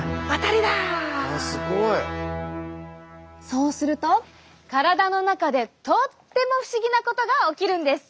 そうすると体の中でとっても不思議なことが起きるんです。